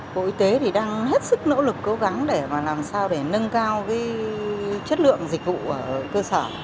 bộ y tế thì đang hết sức nỗ lực cố gắng để làm sao để nâng cao chất lượng dịch vụ ở cơ sở